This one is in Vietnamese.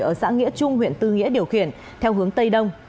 ở xã nghĩa trung huyện tư nghĩa điều khiển theo hướng tây đông